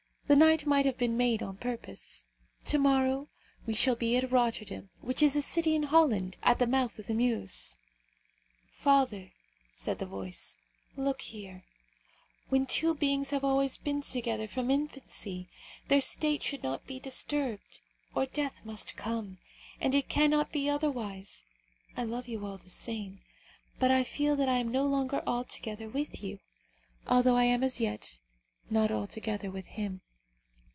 The night might have been made on purpose. To morrow we shall be at Rotterdam, which is a city in Holland, at the mouth of the Meuse." "Father," said the voice, "look here; when two beings have always been together from infancy, their state should not be disturbed, or death must come, and it cannot be otherwise. I love you all the same, but I feel that I am no longer altogether with you, although I am as yet not altogether with him."